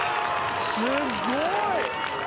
すっごい。